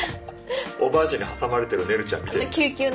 おばあちゃんに挟まれてるねるちゃん見てみたい。